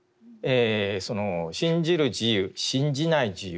その信じる自由信じない自由。